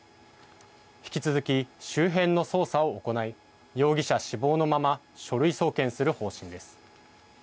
引き続き周辺の捜査を行い容疑者死亡のまま書類送検する方針です。